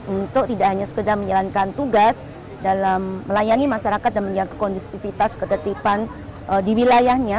untuk tidak hanya sekedar menjalankan tugas dalam melayani masyarakat dan menjaga kondusivitas ketertiban di wilayahnya